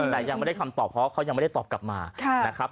แต่ยังไม่ได้คำตอบเพราะเขายังไม่ได้ตอบกลับมานะครับ